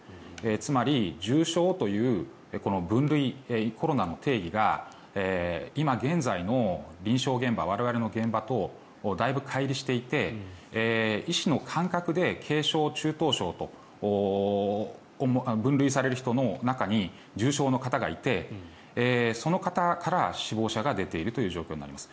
つまり、重症というこの分類、コロナの定義が今現在の臨床現場我々の現場とだいぶかい離していて医師の感覚で軽症・中等症と分類される人の中に重症の方がいてその方から死亡者が出ているという状況になります。